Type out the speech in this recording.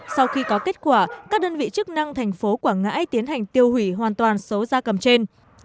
sau khi có kết quả các đơn vị chức năng tp quảng ngãi tiến hành tiêu hủy hoàn toàn số gia cầm trên